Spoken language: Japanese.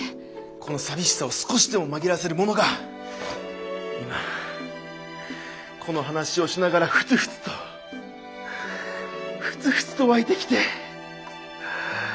このさみしさを少しでも紛らわせるものがこの話をしながらふつふつとふつふつと湧いてきて。